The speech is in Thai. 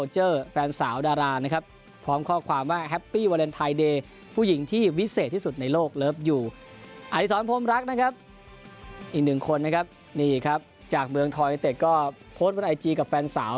จากเมืองเท้าอันเตรอิงเต็กเงี้ยวกับแฟนสาว